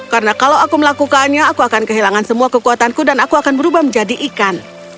karena kalau aku melakukannya aku akan kehilangan semua kekuatanku dan aku akan berubah menjadi ikan